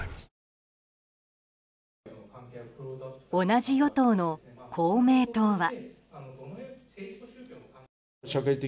同じ与党の公明党は。